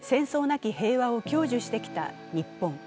なき平和を享受してきた日本。